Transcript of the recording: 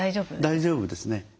大丈夫ですね。